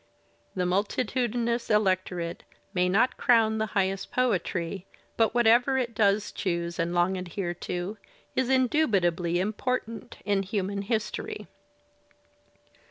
The multitudinous electorate may not crown the highest poetry, but whatever it does choose and long adhere to is indubitably important in human history.